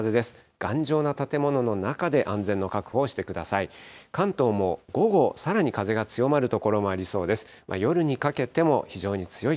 頑丈な建物の中で安全の確保をしてください。